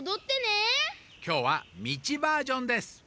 きょうはミチバージョンです。